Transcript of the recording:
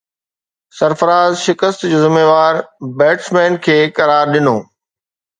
سرفراز شڪست جو ذميوار بيٽسمينن کي قرار ڏنو